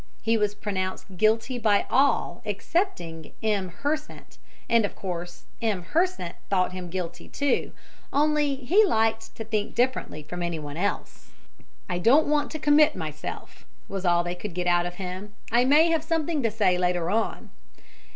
He was pronounced guilty by all excepting M. Hersant; and of course M. Hersant thought him guilty, too; only he liked to think differently from anyone else. "I don't want to commit myself," was all they could get out of him. "I may have something to say later on."